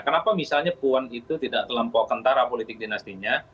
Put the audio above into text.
kenapa misalnya puan itu tidak terlampau kentara politik dinastinya